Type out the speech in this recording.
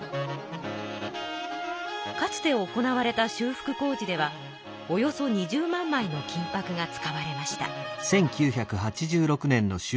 かつて行われた修復工事ではおよそ２０万まいの金ぱくが使われました。